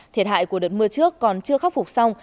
thiệt hại của đợt mưa trước còn chưa khắc phục xong